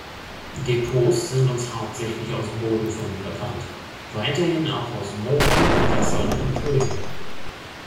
Depots sind uns hauptsächlich aus Bodenfunden bekannt, weiterhin auch aus Mooren, Gewässern und Höhlen.